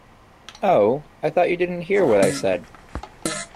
Oh, I thought you didn't hear what I said.